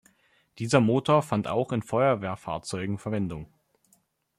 Dieser Motor fand auch in Feuerwehrfahrzeugen Verwendung.